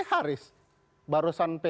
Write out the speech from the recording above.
ya harus barusan p dua puluh satu